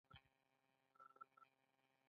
هغې د ژور اوازونو ترڅنګ د زړونو ټپونه آرام کړل.